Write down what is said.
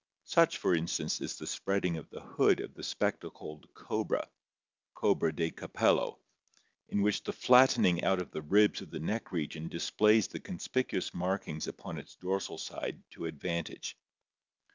Such for instance is the spread ing of the "hood" of the spectacled cobra (cobra de capello) in which the flattening out of the ribs of the neck region displays the conspicuous markings upon its dorsal side to advantage.